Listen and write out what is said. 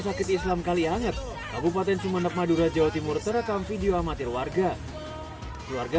sakit islam kalianget kabupaten sumeneb madura jawa timur terekam video amatir warga keluarga